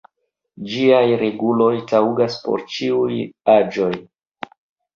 Ĝiaj reguloj taŭgas por ĉiuj aĝoj.